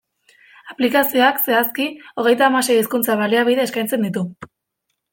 Aplikazioak, zehazki, hogeita hamasei hizkuntza-baliabide eskaintzen ditu.